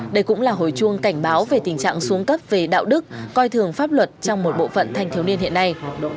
đây cũng là hồi chuông cảnh báo về tình trạng xuống cấp về đạo đức coi thường pháp luật trong một bộ phận thanh thiếu niên hiện nay